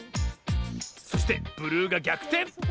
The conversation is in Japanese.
そしてブルーがぎゃくてん！